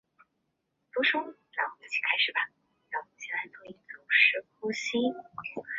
本线由此起点之后往东沿路连络永华村里上述的五处村落。